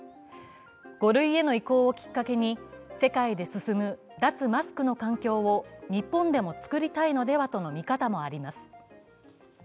５類への移行をきっかけに世界で進む脱マスクの環境を日本でも作りたいのではとの見方もあります。